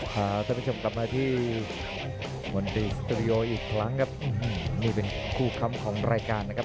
พาท่านผู้ชมกลับมาที่มนตรีสตูดิโออีกครั้งครับนี่เป็นคู่ค้ำของรายการนะครับ